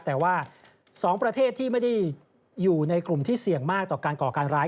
แต่ว่า๒ประเทศที่ไม่ได้อยู่ในกลุ่มที่เสี่ยงมากต่อการก่อการร้าย